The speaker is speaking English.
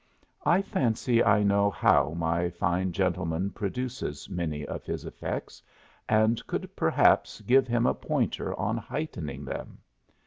I fancy I know how my fine gentleman produces many of his effects and could perhaps give him a pointer on heightening them.